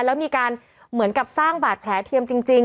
แล้วมีการเหมือนกับสร้างบาดแผลเทียมจริง